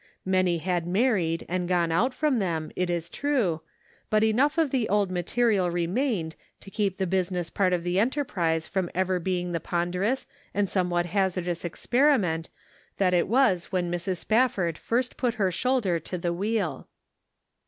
Many had married and gone out from them, it is true ; but enough of the old material remained to keep the business part of the enter prize from ever being the ponderous and some what hazardous experiment that it was when Mrs. Spafford first put her shoulder to the wheel.